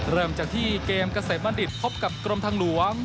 เริ่มจากที่เกมเกษมบัณฑิตพบกับกรมทางหลวง